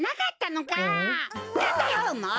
なんだよもう！